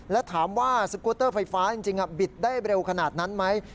และถามว่าสกูตเตอร์ไฟฟ้าจริงบิดได้เร็วขนาดนั้นไหม